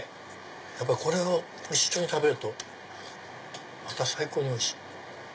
これを一緒に食べるとまた最高においしい！